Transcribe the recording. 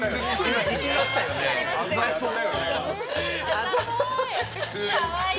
あざとい！